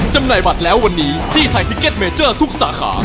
จำหน่ายบัตรแล้ววันนี้ที่ไฮทิเก็ตเมเจอร์ทุกสาขา